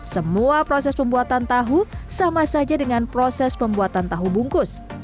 semua proses pembuatan tahu sama saja dengan proses pembuatan tahu bungkus